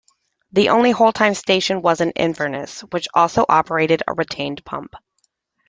The only wholetime station was in Inverness, which also operated a retained pump.